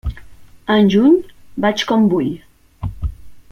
En juny vaig com vull.